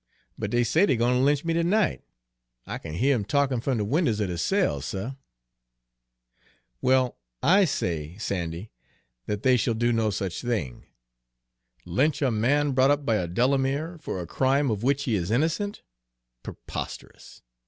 But dey say dey 're gwine ter lynch me ternight, I kin hear 'em talkin' f'm de winders er de cell, suh." "Well, I say, Sandy, that they shall do no such thing! Lynch a man brought up by a Delamere, for a crime of which he is innocent? Preposterous!